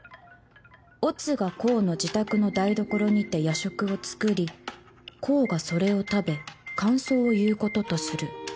「乙が甲の自宅の台所にて夜食を作り甲がそれを食べ感想を言う事とする」